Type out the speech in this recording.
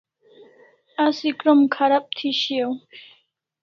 Asi krom kharab thi shiau